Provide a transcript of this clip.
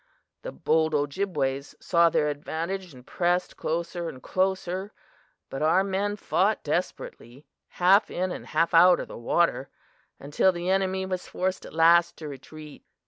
The bold Ojibways saw their advantage and pressed closer and closer; but our men fought desperately, half in and half out of the water, until the enemy was forced at last to retreat.